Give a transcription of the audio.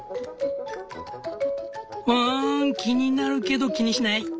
ワン気になるけど気にしない。